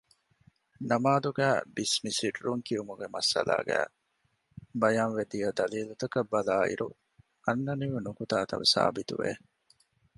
ނަމާދުގައި ބިސްމި ސިއްރުން ކިއުމުގެ މައްސަލާގައި ބަޔާންވެދިޔަ ދަލީލުތަކަށް ބަލާއިރު އަންނަނިވި ނުކުތާތައް ސާބިތުވެ